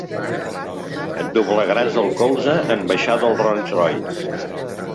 Et doblegaràs el colze en baixar del Rolls Royce.